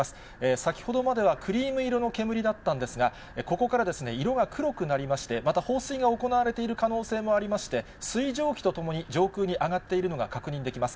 先ほどまではクリーム色の煙だったんですが、ここからですね、色が黒くなりまして、また放水が行われている可能性もありまして、水蒸気とともに、上空に上がっているのが確認できます。